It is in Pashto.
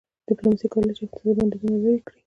ډيپلوماسي کولای سي اقتصادي بندیزونه لېرې کړي.